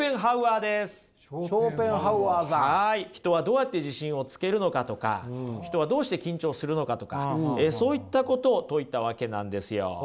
人はどうやって自信をつけるのかとか人はどうして緊張するのかとかそういったことを説いたわけなんですよ。